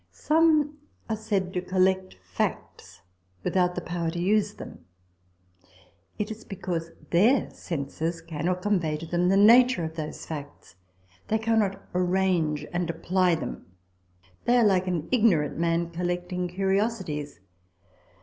Some are said to collect facts without the power to use them. It is because their senses cannot convey to them the nature of those facts. They cannot arrange and apply them. They are like an ignorant man collecting curiosities.